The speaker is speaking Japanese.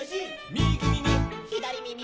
「みぎみみ」「ひだりみみ」